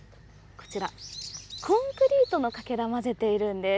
こちら、コンクリートのかけら混ぜているんです。